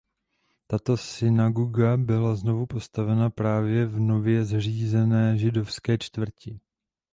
Tato synagoga byla znovu postavena právě v nově zřízené židovské čtvrti.